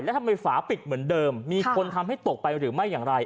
แล้วทำไมฝาปิดเหมือนเดิมมีคนทำให้ตกไปหรือไม่อย่างไร